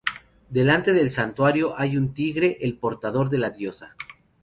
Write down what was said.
Delante del santuario hay un tigre, el portador de la diosa.